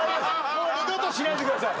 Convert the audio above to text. もう二度としないでください